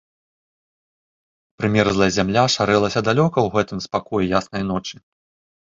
Прымерзлая зямля шарэлася далёка ў гэтым спакоі яснай ночы.